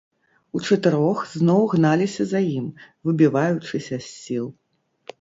Учатырох зноў гналіся за ім, выбіваючыся з сіл.